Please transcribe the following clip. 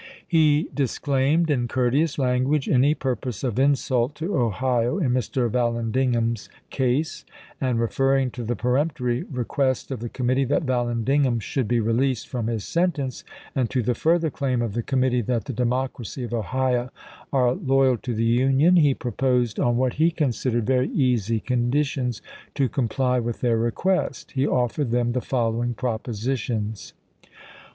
He disclaimed, in courteous language, any pur pose of insult to Ohio in Mr. Vallandigham's case ; and, referring to the peremptory request of the committee that Vallandigham should be released from his sentence, and to the further claim of the committee that the Democracy of Ohio are loyal to the Union, he proposed, on what he considered very easy conditions, to comply with their request. He offered them the following propositions : 1.